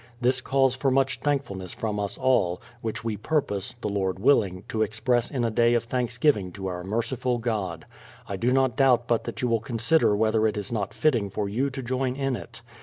This calls for much thankfulness from us all, which we purpose, the Lord willing, to express in a day of Thanksgiving to our merciful God. I do not doubt but that you will consider whether it is not fitting for you to join in it.